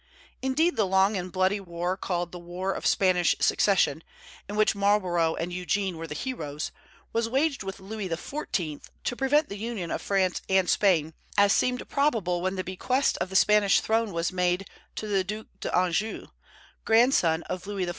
Indeed, the long and bloody war called the War of Spanish Succession, in which Marlborough and Eugene were the heroes, was waged with Louis XIV. to prevent the union of France and Spain, as seemed probable when the bequest of the Spanish throne was made to the Duc d'Anjou, grandson of Louis XIV.